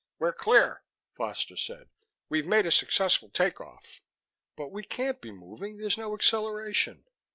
"We're clear," Foster said. "We've made a successful take off." "But we can't be moving there's no acceleration.